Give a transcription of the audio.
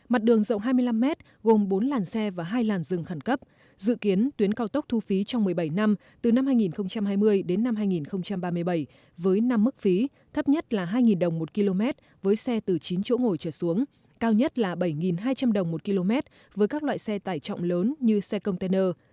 mặt đường rộng hai mươi năm mét gồm bốn làn xe và hai làn rừng khẩn cấp dự kiến tuyến cao tốc thu phí trong một mươi bảy năm từ năm hai nghìn hai mươi đến năm hai nghìn ba mươi bảy với năm mức phí thấp nhất là hai đồng một km với xe từ chín chỗ ngồi trở xuống cao nhất là bảy hai trăm linh đồng một km với các loại xe tải trọng lớn như xe container